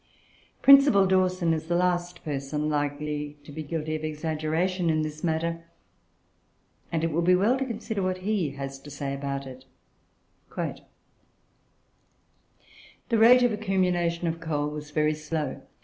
Principal Dawson is the last person likely to be guilty of exaggeration in this matter, and it will be well to consider what he has to say about it: "The rate of accumulation of coal was very slow.